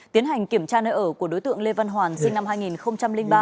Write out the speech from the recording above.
tiến hành kiểm tra nơi ở của đối tượng lê văn hoàn sinh năm hai nghìn ba